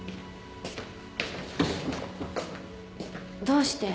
どうして。